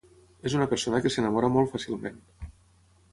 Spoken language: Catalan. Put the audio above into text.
És una persona que s'enamora molt fàcilment.